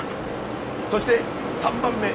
そして３番目。